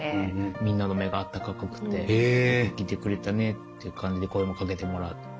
みんなの目が温かくってよく来てくれたねっていう感じで声もかけもらったので。